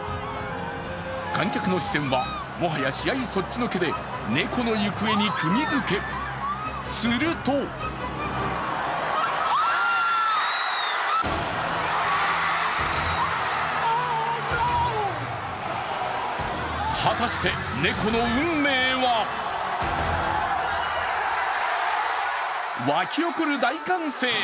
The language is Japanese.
観客の視線は、もはや試合そっちのけで猫の行方にクギづけ、すると果たして、猫の運命は沸き起こる大歓声。